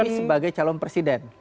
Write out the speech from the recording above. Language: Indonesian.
tapi sebagai calon presiden